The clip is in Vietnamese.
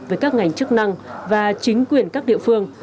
với các ngành chức năng và chính quyền các địa phương